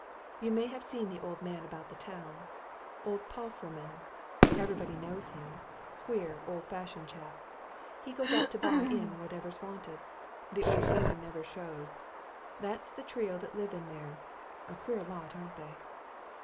You may have seen the old man about the town old Palfreman. Everybody knows him queer, old fashioned chap: he goes out to buy in whatever's wanted: the old woman never shows. That's the trio that live in there a queer lot, aren't they?"